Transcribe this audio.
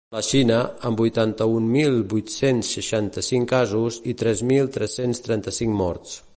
La Xina, amb vuitanta-un mil vuit-cents seixanta-cinc casos i tres mil tres-cents trenta-cinc morts.